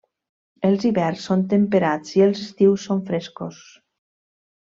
Els hiverns són temperats i els estius són frescos.